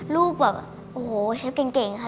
ลูกแบบโอ้โหเชฟเก่งค่ะ